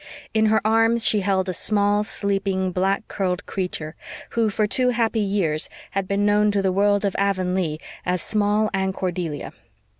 In her arms she held a small, sleeping, black curled creature, who for two happy years had been known to the world of Avonlea as "Small Anne Cordelia."